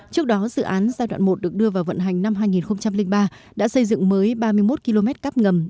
trước đó dự án giai đoạn một được đưa vào vận hành năm hai nghìn ba đã xây dựng mới ba mươi một km cắp ngầm